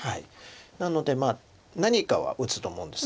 なので何かは打つと思うんです